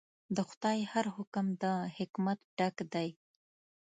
د خدای هر حکم د حکمت ډک دی.